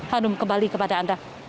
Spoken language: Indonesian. hanum kembali kepada anda